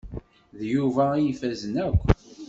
D Yuba i ifazen akk.